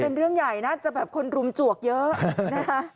เป็นเรื่องใหญ่นะจะแบบคนหลุมจวกเยอะ